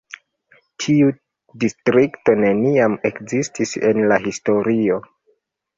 Tiu distrikto neniam ekzistis en la historio.